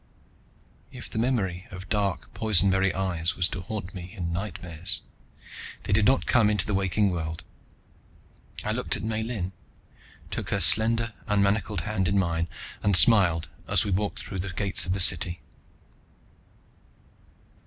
If the memory of dark, poison berry eyes was to haunt me in nightmares, they did not come into the waking world. I looked at Miellyn, took her slender unmanacled hand in mine, and smiled as we walked through the gates of the city.